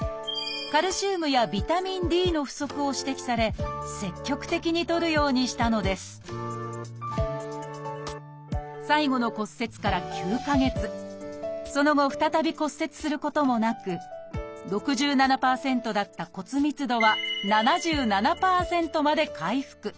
カルシウムやビタミンＤの不足を指摘され積極的にとるようにしたのです最後の骨折から９か月その後再び骨折することもなく６７％だった骨密度は７７％まで回復。